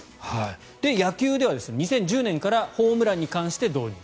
野球では２０１０年からホームランに関して導入。